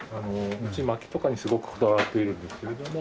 うち薪とかにすごくこだわっているんですけれども。